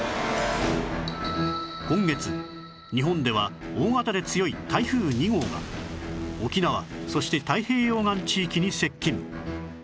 今月日本では大型で強い台風２号が沖縄そして太平洋岸地域に接近